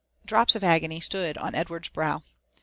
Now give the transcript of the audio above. Drops of agony stood oii Edward's brow.